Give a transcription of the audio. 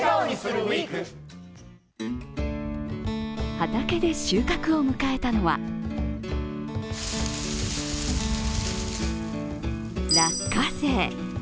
畑で収穫を迎えたのは落花生。